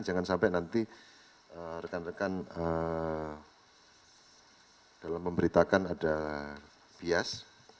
jangan sampai nanti rekan rekan dalam memberitakan ada bias